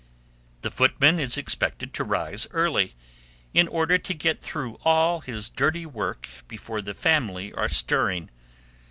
The footman is expected to rise early, in order to get through all his dirty work before the family are stirring.